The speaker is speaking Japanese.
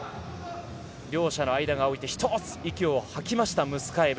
両者の間がおいて１つ息を吐きましたムスカエブ。